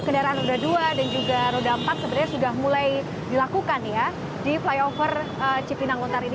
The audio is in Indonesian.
kendaraan roda dua dan juga roda empat sebenarnya sudah mulai dilakukan ya di flyover cipinang lontar ini